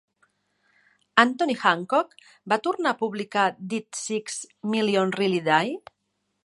Anthony Hancock va tornar a publicar Did Six Million Really Die?